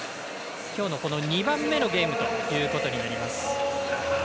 今日の２番目のゲームということになります。